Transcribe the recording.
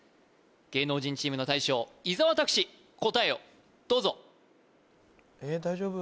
芸能人チームの大将伊沢拓司答えをどうぞええ大丈夫？